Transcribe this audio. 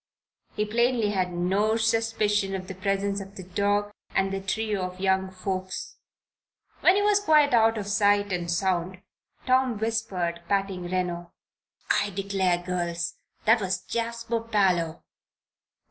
He plainly had no suspicion of the presence of the dog and the trio of young folks. When he was quite out of sight and sound, Tom whispered, patting Reno: "I declare, girls! That was Jasper Parloe!"